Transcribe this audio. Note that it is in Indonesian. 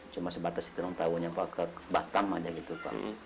cuma sebatas itu doang taunya pak ke batam aja gitu pak